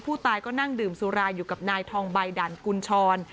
ผู้ตายก็นั่งดื่มสุราอยู่กับนายทองใบด่านกุญชร